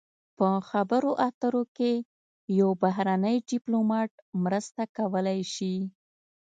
په خبرو اترو کې یو بهرنی ډیپلومات مرسته کولی شي